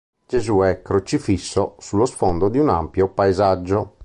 Gesù è crocifisso sullo sfondo di un ampio paesaggio.